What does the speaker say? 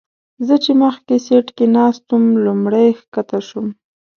زه چې مخکې سیټ کې ناست وم لومړی ښکته شوم.